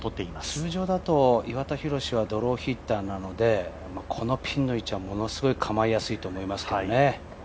通常だと岩田寛はドローヒッターなのでこのピンの位置はものすごい構えやすいと思いますけどね。